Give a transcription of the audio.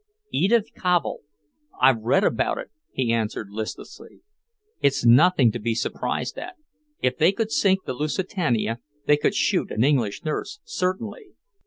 "Edith Cavell? I've read about it," he answered listlessly. "It's nothing to be surprised at. If they could sink the Lusitania, they could shoot an English nurse, certainly."